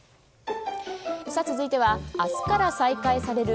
続いては明日から再開される